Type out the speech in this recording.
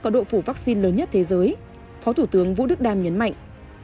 có độ phủ vaccine lớn nhất thế giới phó thủ tướng vũ đức đam nhấn mạnh